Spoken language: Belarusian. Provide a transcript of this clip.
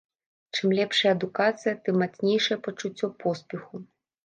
Чым лепшая адукацыя, тым мацнейшае пачуццё поспеху.